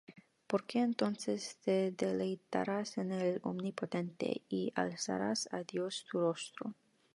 Porque entonces te deleitarás en el Omnipotente, Y alzarás á Dios tu rostro.